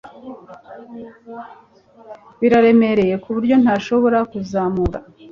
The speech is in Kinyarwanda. Biraremereye kuburyo ntashobora kuzamura